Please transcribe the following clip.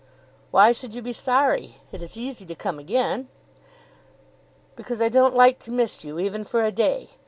"Why should you be sorry? It is easy to come again." "Because I don't like to miss you, even for a day.